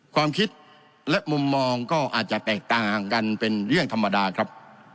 ความคิดและมุมมองก็อาจจะแตกต่างกันเป็นเรื่องธรรมดาครับ